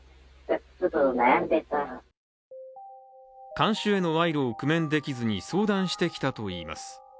看守への賄賂を工面できずに相談してきたといいます。